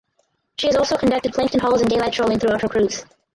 She also conducted plankton hauls and daylight trolling throughout her cruise.